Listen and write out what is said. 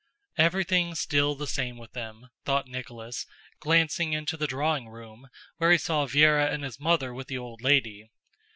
"Everything's still the same with them," thought Nicholas, glancing into the drawing room, where he saw Véra and his mother with the old lady.